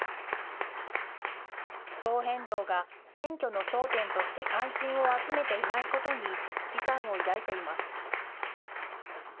気候変動が選挙の争点として関心を集めていないことに、危機感を抱いています。